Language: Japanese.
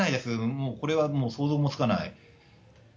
もうこれは想像もつかない。